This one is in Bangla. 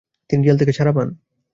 তিনি জেল থেকে ছাড়া পান।